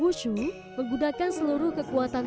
wushu menggunakan seluruh kekuatan